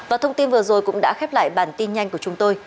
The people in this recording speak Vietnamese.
và thông tin vừa rồi cũng đã khép lại bản tin nhanh của chúng tôi